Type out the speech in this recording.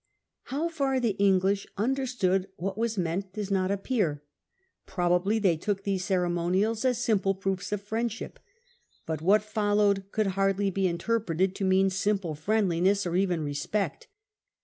How far the Ihiglish understood what was meant docs not appear. Probaldy they took these ceremonies as simple proofs of friend ship. But what followed could hardly be interpreted to mean simple friendlincs.s or even respect.